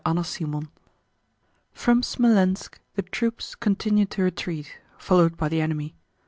CHAPTER V From Smolénsk the troops continued to retreat, followed by the enemy.